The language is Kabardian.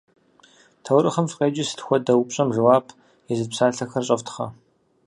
Таурыхъым фыкъеджи, «сыт хуэдэ?» упщӏэм жэуап езыт псалъэхэр щӏэфтхъэ.